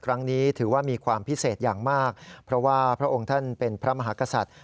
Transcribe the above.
ครั้งนี้ถือว่ามีความพิเศษอย่างมากเพราะว่าพระองค์ท่านเป็นพระมหากษัตริย์